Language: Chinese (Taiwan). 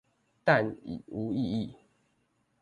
但己無意義